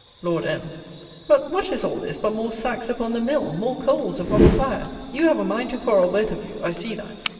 Lord M. But what is all this, but more sacks upon the mill? more coals upon the fire? You have a mind to quarrel both of you, I see that.